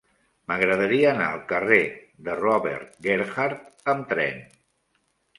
M'agradaria anar al carrer de Robert Gerhard amb tren.